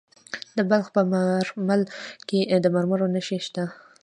د بلخ په مارمل کې د مرمرو نښې شته.